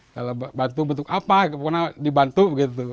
kalau bantu bentuk apa kemungkinan dibantu gitu